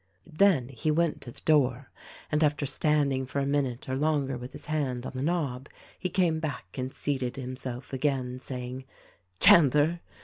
Then he went to the door, and after standing for a minute or longer with his hand on the knob he came back and seated himself again, saying, "Chandler